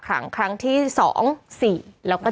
ครั้งที่๒๔แล้วก็